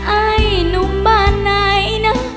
ไอ้หนุ่มบ้านไหนนะ